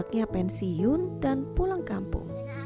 dia menjaga kebijakannya sejak pensiun dan pulang kampung